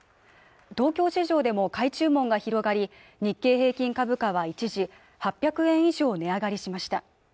東京市場でも買い注文が広がり日経平均株価は一時８００円以上値上がりしました